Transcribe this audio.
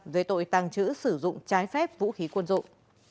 về tội tàng trữ sử dụng trái phép vũ khí quân dụng